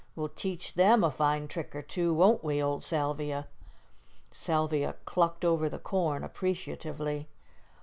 We'll teach them a fine trick or two, won't we, old Salvia?" Salvia clucked over the corn appreciatively.